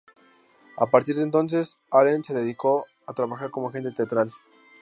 A partir de entonces Allen se dedicó a trabajar como agente teatral.